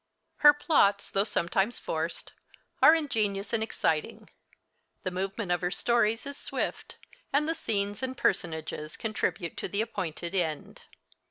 Her plots, though sometimes forced, are ingenious and exciting. The movement of her stories is swift, and the scenes and personages contribute to the appointed end.